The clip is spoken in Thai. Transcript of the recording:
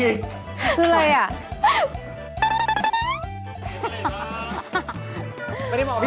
สอเขากำลังจะ